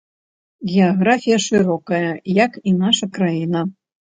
Геаграфія шырокая, як і наша краіна.